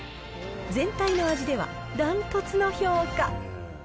全体の味では、ダントツの評価。